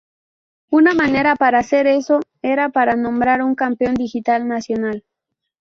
Una manera para hacer eso era para nombrar un Campeón Digital nacional.